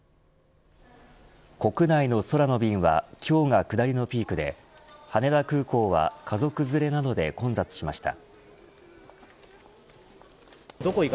国内の空の便は今日が下りのピークで羽田空港は家族連れなどで混雑しました。